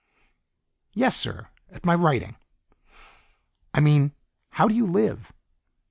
"Yes, sir. At my writing." "I mean how do you live?"